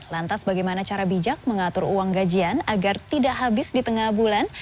lantas bagaimana cara bijak mengatur uang gajian agar tidak habis di tengah bulan